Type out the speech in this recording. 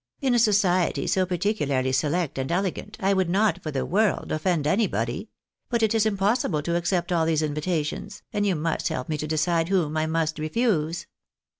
In a society so particularly select and elegant, I would not, for the world, oft'end anybody ; but it is impossible to accept all these invitations, and you must help tne to decide whom I must refuse."